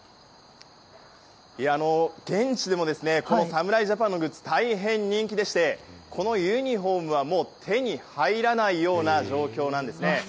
いや、現地でも侍ジャパンのグッズ大変人気でしてこのユニホームはもう手に入らないような状況なんですね。